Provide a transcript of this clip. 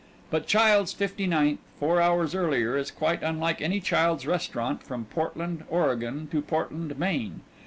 But Childs', Fifty ninth, four hours earlier is quite unlike any Childs' restaurant from Portland, Oregon, to Portland, Maine.